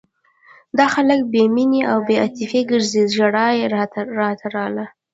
دا خلک بې مینې او بې عاطفې ګرځي ژړا یې راتله.